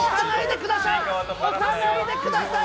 押さないでください！